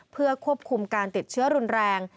เพื่อควบคุมการติดเชื้อรุนแรง